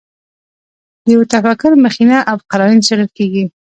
د یوه تفکر مخینه او قراین څېړل کېږي.